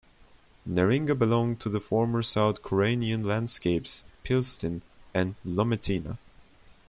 Neringa belonged to the former south-curonian landscapes "Pilsaten" and "Lamotina".